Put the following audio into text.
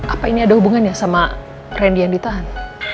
apa ini ada hubungannya sama randy yang ditahan